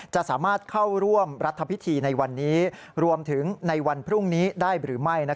จะสามารถเข้าร่วมรัฐพิธีในวันนี้รวมถึงในวันพรุ่งนี้ได้หรือไม่